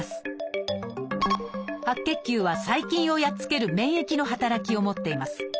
白血球は細菌をやっつける免疫の働きを持っています。